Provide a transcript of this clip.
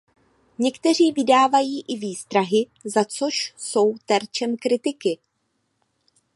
Někteří vydávají i výstrahy za což jsou terčem kritiky.